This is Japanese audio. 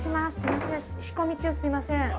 すみません。